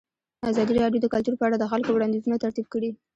ازادي راډیو د کلتور په اړه د خلکو وړاندیزونه ترتیب کړي.